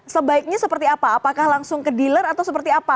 sebaiknya seperti apa apakah langsung ke dealer atau seperti apa